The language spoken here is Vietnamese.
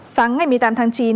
sáng ngày một mươi tám tháng chín